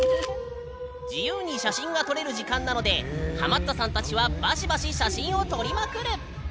自由に写真が撮れる時間なのでハマったさんたちはバシバシ写真を撮りまくる！